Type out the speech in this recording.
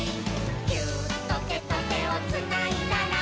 「ギューッとてとてをつないだら」